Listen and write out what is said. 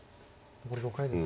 残り５回です。